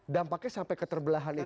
dampaknya sampai keterbelahan itu